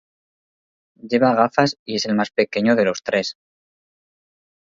Lleva gafas y es el más pequeño de los tres.